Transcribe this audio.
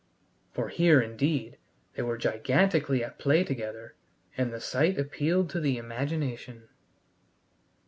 For here, indeed, they were gigantically at play together, and the sight appealed to the imagination.